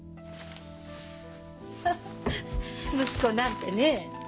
フフフ息子なんてね